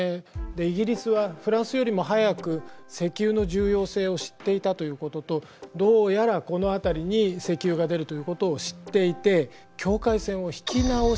イギリスはフランスよりも早く石油の重要性を知っていたということとどうやらこの辺りに石油が出るということを知っていて境界線を引き直したんです。